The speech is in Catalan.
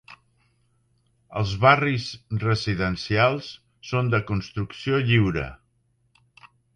Els barris residencials són de construcció lliure.